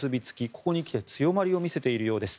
ここにきて強まりを見せているようです。